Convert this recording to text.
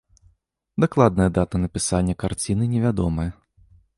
Дакладная дата напісання карціны невядомая.